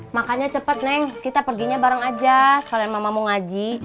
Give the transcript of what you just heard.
makanya cepet neng kita perginya bareng aja sekalian mama mau ngaji